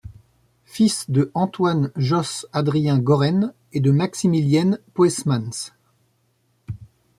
Fils de Antoine Josse Adrien Gorren et de Maximilienne Poesmans.